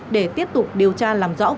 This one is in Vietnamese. để tiếp tục điều tra làm rõ vụ việc